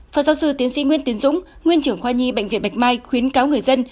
phó giáo sư tiến sĩ nguyễn tiến dũng nguyên trưởng khoa nhi bệnh viện bạch mai khuyến cáo người dân